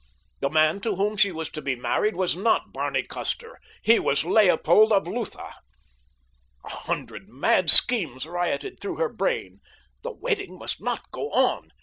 The man to whom she was to be married was not Barney Custer—he was Leopold of Lutha! A hundred mad schemes rioted through her brain. The wedding must not go on!